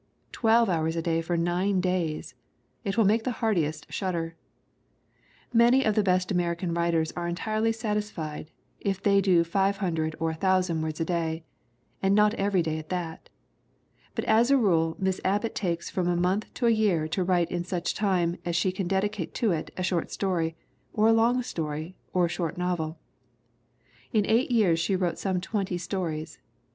Twelve hours a day for nine days it will make the hardiest shudder. Many of the best American writers are entirely satis fied if they do $00 or 1,000 words a day and not every day at that. But as a rule Miss Abbott takes from a month to a year to write in such time as she can dedicate to it a short story, or a long short story, or a short novel. In eight years she wrote some twenty stories.